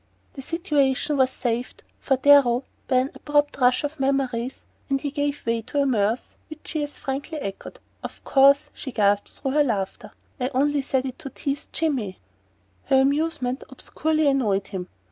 The situation was saved, for Darrow, by an abrupt rush of memories, and he gave way to a mirth which she as frankly echoed. "Of course," she gasped through her laughter, "I only said it to tease Jimmy " Her amusement obscurely annoyed him.